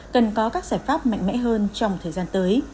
cần có các giải pháp mạnh mẽ hơn trong thời gian tới